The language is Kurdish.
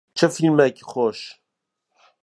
Çi fîlmekî xweş.